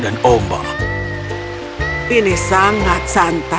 ah matahari pasir